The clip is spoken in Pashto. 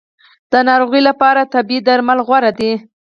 د ناروغۍ لپاره طبیعي درمل غوره دي